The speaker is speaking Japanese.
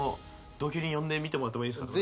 同居人呼んで見てもらってもいいですか？